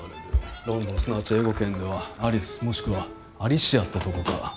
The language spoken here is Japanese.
ロンドンすなわち英語圏では「アリス」もしくは「アリシア」ってとこか。